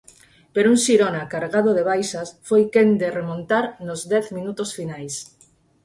Pero un Xirona cargado de baixas foi quen de remontar nos dez minutos finais.